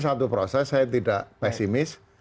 satu proses saya tidak pesimis